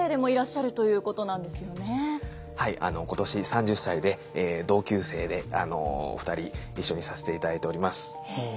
はい今年３０歳で同級生で２人一緒にさせていただいております。